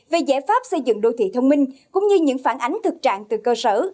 về giải pháp xây dựng đô thị thông minh cũng như những phản ánh thực trạng từ cơ sở